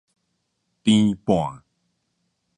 纏絆